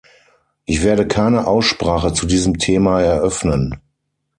Ich werde keine Aussprache zu diesem Thema eröffnen.